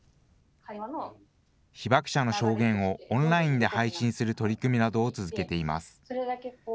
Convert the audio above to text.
被爆者の証言をオンラインで配信する取り組みなどを続けています。